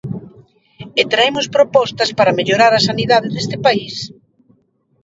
E traemos propostas para mellorar a sanidade deste país.